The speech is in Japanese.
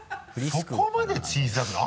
そこまで小さくない。